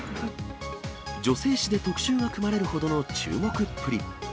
女性誌で特集が組まれるほどの注目っぷり。